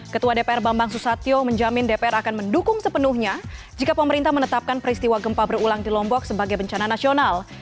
ketua dpr bambang susatyo menjamin dpr akan mendukung sepenuhnya jika pemerintah menetapkan peristiwa gempa berulang di lombok sebagai bencana nasional